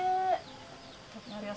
denda berhubungan dengan allah